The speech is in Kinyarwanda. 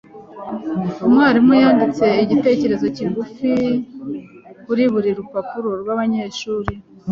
Umwarimu yanditse igitekerezo kigufi kuri buri rupapuro rwabanyeshuri.